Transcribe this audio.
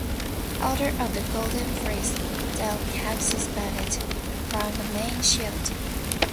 The Order of the Golden Fleece then hangs suspended round the main shield.